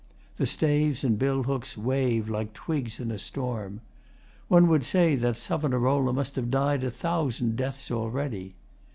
The staves and bill hooks wave like twigs in a storm. One would say that SAV. must have died a thousand deaths already.